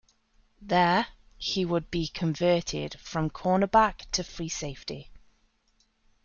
There, he would be converted from cornerback to free safety.